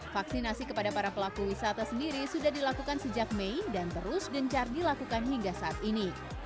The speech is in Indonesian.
vaksinasi kepada para pelaku wisata sendiri sudah dilakukan sejak mei dan terus gencar dilakukan hingga saat ini